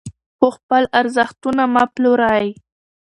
خو خپل ارزښتونه مه پلورئ.